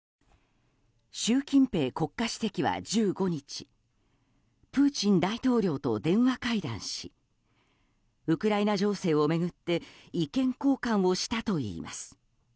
習近平国家主席は１５日プーチン大統領と電話会談しウクライナ情勢を巡って意見交換をしたといいます。